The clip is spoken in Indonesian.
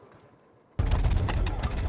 ya yaudah kamu jangan gerak deh ya